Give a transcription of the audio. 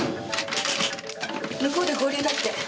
向こうで合流だって。